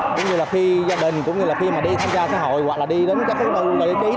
cũng như là khi gia đình cũng như là khi đi tham gia xã hội hoặc là đi đến các khu vực lợi ích ý